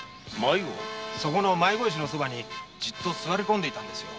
そこの迷子石の側にじっと座りこんでいたんですよ。